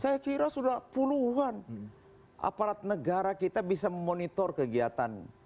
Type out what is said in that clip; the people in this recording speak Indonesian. saya kira sudah puluhan aparat negara kita bisa memonitor kegiatan